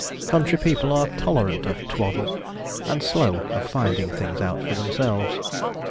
Country people are tolerant of twaddle, and slow of finding things out for themselves.